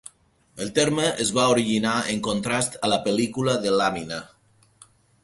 El terme es va originar en contrast a la pel·lícula de làmina.